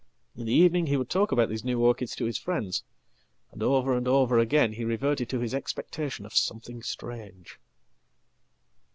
In the evening he would talk about these neworchids to his friends, and over and over again he reverted to hisexpectation of something strange.